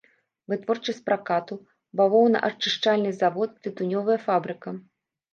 Вытворчасць пракату, бавоўнаачышчальны завод, тытунёвая фабрыка.